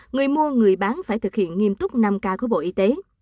người mua người bán phải thực hiện nghiêm túc năm k của bộ y tế